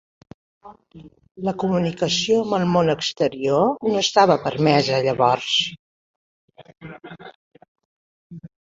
La comunicació amb el món exterior no estava permesa llavors.